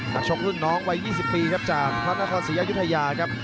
นักชมรุ่นน้องวัย๒๐ปีครับจากภรรณาศาสีอายุทัยาครับ